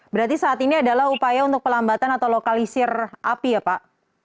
berarti saat ini adalah upaya untuk pelambatan atau lokalisir api ya pak